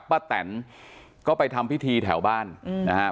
กับป้าแต่นก็ไปทำพิธีแถวบ้านนะครับ